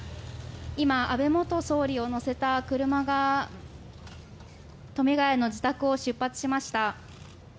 今、安倍元総理を乗せた車が富ヶ谷の自宅を出発しました。